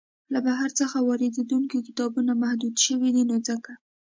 له بهر څخه واریدیدونکي کتابونه محدود شوي دی نو ځکه.